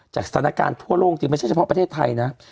สถานการณ์ทั่วโลกจริงไม่ใช่เฉพาะประเทศไทยนะ